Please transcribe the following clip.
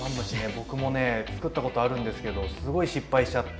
僕もねつくったことあるんですけどすごい失敗しちゃって。